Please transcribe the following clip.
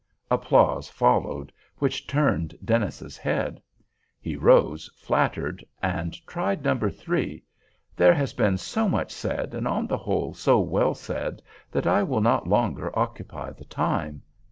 Applause followed, which turned Dennis's head. He rose, flattered, and tried No. 3: "There has been so much said, and, on the whole, so well said, that I will not longer occupy the time!"